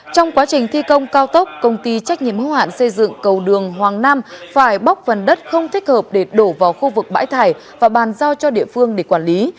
trong quá trình thi công cao tốc công ty trách nhiệm hữu hạn xây dựng cầu đường hoàng nam phải bóc phần đất không thích hợp để đổ vào khu vực bãi thải và bàn giao cho địa phương để quản lý